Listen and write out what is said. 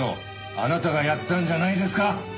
あなたがやったんじゃないですか？